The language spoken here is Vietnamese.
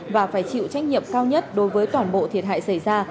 và phải chịu trách nhiệm cao nhất đối với toàn bộ thiệt hại xảy ra